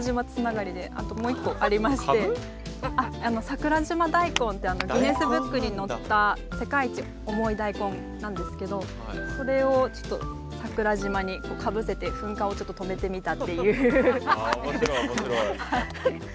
桜島大根ってギネスブックに載った世界一重い大根なんですけどそれをちょっと桜島にかぶせて噴火をちょっと止めてみたっていう。